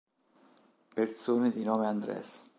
Persone di nome Andrés